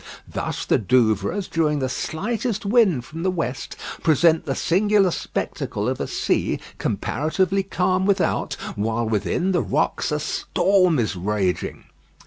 Thus the Douvres, during the slightest wind from the west, present the singular spectacle of a sea comparatively calm without, while within the rocks a storm is raging.